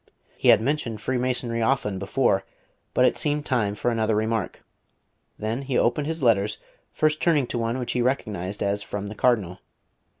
He had mentioned Freemasonry often before, but it seemed time for another remark. Then he opened his letters, first turning to one which he recognised as from the Cardinal.